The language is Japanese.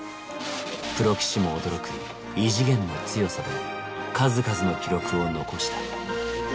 プロ棋士も驚く異次元の強さで数々の記録を残した。